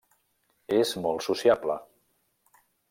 És molt sociable.